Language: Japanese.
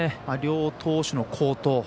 両投手の好投。